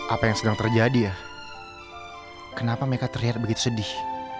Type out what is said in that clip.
apa yang sedang terjadi ya kenapa mereka terlihat begitu sedih